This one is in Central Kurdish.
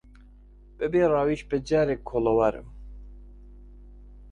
بە بێ ڕاویش بەجارێک کۆڵەوارم